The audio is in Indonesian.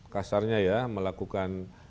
kasarnya ya melakukan